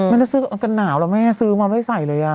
ไม่ให้ซื้อกี่ก็หนาวหรอแม่ซื้อมาไม่ได้ใส่เลย